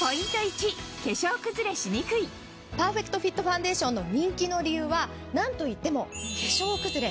パーフェクトフィットファンデーションの人気の理由は何といっても。